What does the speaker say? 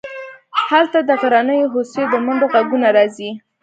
هلته د غرنیو هوسیو د منډو غږونه راځي